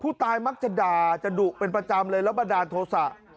ผู้ตายมักจะด่าจะดุเป็นประจำเลยแล้วบันดาลโทษะ